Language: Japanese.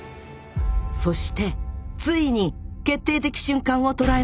そしてついに決定的瞬間を捉えます。